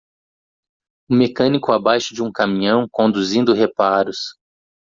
Um mecânico abaixo de um caminhão conduzindo reparos.